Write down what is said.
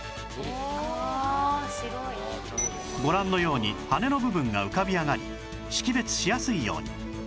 「ああ白い」ご覧のように羽根の部分が浮かび上がり識別しやすいように